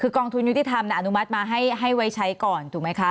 คือกองทุนยุติธรรมอนุมัติมาให้ไว้ใช้ก่อนถูกไหมคะ